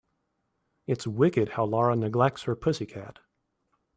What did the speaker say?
It's wicked how Lara neglects her pussy cat.